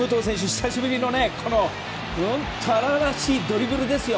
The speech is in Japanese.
久しぶりの荒々しいドリブルですよ。